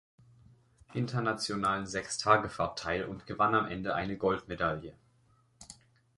Internationalen Sechstagefahrt teil und gewann am Ende eine Goldmedaille.